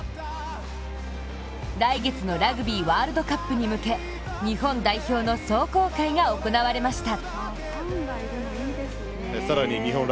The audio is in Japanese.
来月のラグビーワールドカップに向け日本代表の壮行会が行われました。